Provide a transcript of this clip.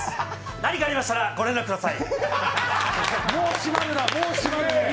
何かありましたらご連絡ください。